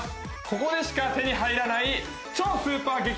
ここでしか手に入らない超スーパー激